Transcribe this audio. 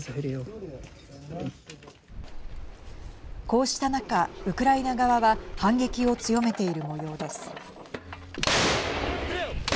こうした中、ウクライナ側は反撃を強めているもようです。